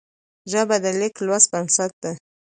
ژبه د لیک لوست بنسټ ده